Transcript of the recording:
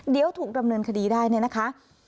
เดี๋ยวถูกดำเนินคดีได้เนี่ยนะคะ